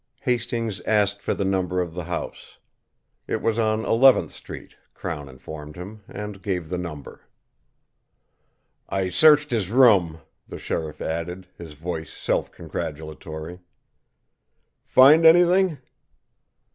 Hastings asked for the number of the house. It was on Eleventh street, Crown informed him, and gave the number. "I searched his room," the sheriff added, his voice self congratulatory. "Find anything?"